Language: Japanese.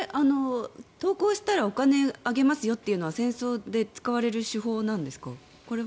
投降したらお金をあげますよっていうのは戦争で使われる手法なんですか？